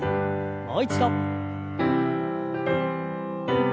もう一度。